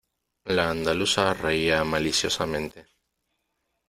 la andaluza reía maliciosamente :